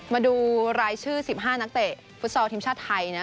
มาดูรายชื่อ๑๕นักเตะฟุตซอลทีมชาติไทยนะ